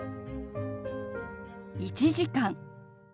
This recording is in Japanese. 「１時間」。